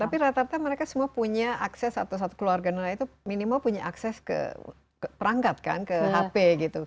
tapi rata rata mereka semua punya akses atau satu keluarga nelayan itu minimal punya akses ke perangkat kan ke hp gitu